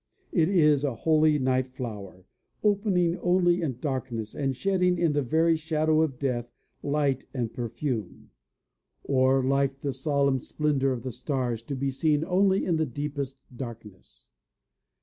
It is a holy night flower, opening only in darkness, and shedding in the very shadow of death light and perfume; or like the solemn splendor of the stars, to be seen only in the deepest darkness.